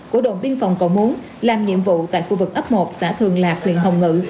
của đồn biên phòng cầu muốn làm nhiệm vụ tại khu vực ấp một xã thường lạc huyện hồng ngự